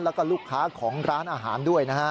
แล้วก็ลูกค้าของร้านอาหารด้วยนะฮะ